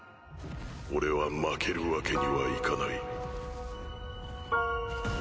俺は負けるわけにはいかない。